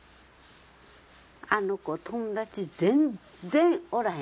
あの子友達全然おらへんの。